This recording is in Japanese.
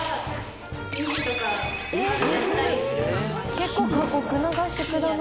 結構過酷な合宿だな。